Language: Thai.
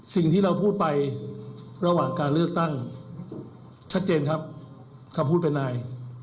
สิ่งที่เราพูดไประหว่างการเลือกตั้งชัดเจนครับคำพูดเป็นนาย